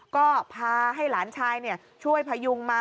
ก็พาให้หลานชายช่วยพยุงมา